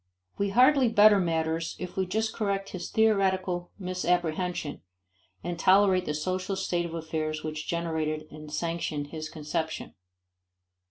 We hardly better matters if we just correct his theoretical misapprehension, and tolerate the social state of affairs which generated and sanctioned his conception.